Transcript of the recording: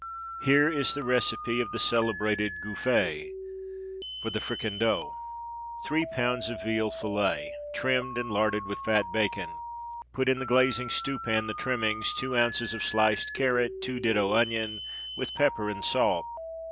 Here is the recipe of the celebrated Gouffé for the FRICANDEAU: Three pounds of veal fillet, trimmed, and larded with fat bacon. Put in the glazing stewpan the trimmings, two ounces of sliced carrot, two ditto onion, with pepper and salt.